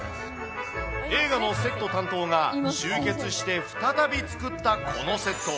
映画のセット担当が集結して再び作ったこのセット。